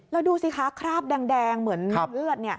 แล้วดูสิคะคราบแดงเหมือนเลือด